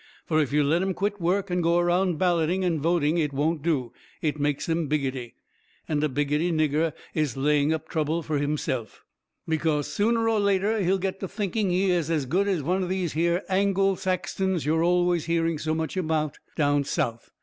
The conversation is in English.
Fur if you let 'em quit work and go around balloting and voting it won't do. It makes 'em biggity. And a biggity nigger is laying up trouble fur himself. Because sooner or later he will get to thinking he is as good as one of these here Angle Saxtons you are always hearing so much talk about down South.